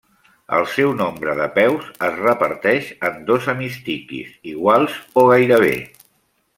El seu nombre de peus es reparteix en dos hemistiquis, iguals o gairebé.